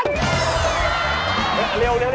เร็ว